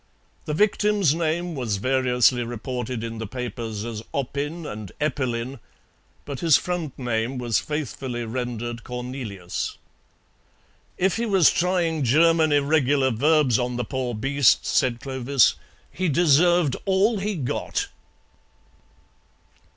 The victim's name was variously reported in the papers as Oppin and Eppelin, but his front name was faithfully rendered Cornelius. "If he was trying German irregular verbs on the poor beast," said Clovis, "he deserved all he got."